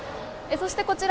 そして、こちら。